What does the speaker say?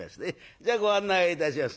じゃあご案内をいたします。